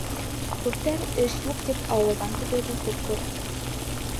Күптәр эш юҡ тип ауылдан китеүҙе хуп күрә.